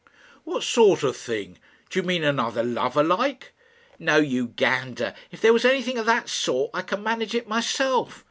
"What sort of thing? Do you mean another lover, like?" "No, you gander. If there was anything of that sort I could manage it myself.